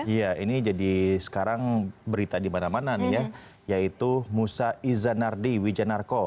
iya ini jadi sekarang berita di mana mana nih ya yaitu musa izanardi wijanarko